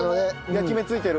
焼き目ついてる。